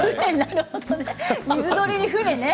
水鳥に船ね。